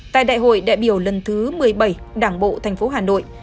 tại đại hội đại biểu lần thứ một mươi bảy đảng bộ tp hà nội